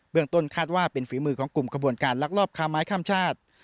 ต้นคาดว่าเป็นฝีมือของกลุ่มขบวนการลักลอบค้าไม้ข้ามชาติ